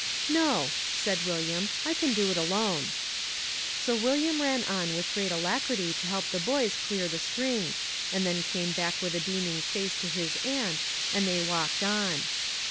"No," aid William, "I can do it alone." So William ran on with great alacrity to help the boys clear the string, and then came back with a beaming face to his aunt, and they walked on.